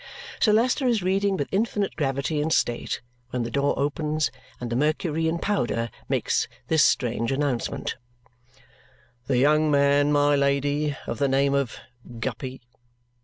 Sir Leicester is reading with infinite gravity and state when the door opens, and the Mercury in powder makes this strange announcement, "The young man, my Lady, of the name of Guppy."